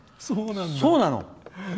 そうなの？